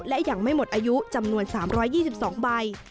และยังไม่หมดอายุจำนวน๓๒๒ใบ